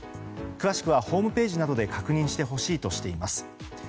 詳しくはホームページなどで確認してほしいとしています。